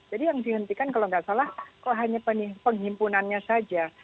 jadi yang dihentikan kalau tidak salah hanya penghimpunannya saja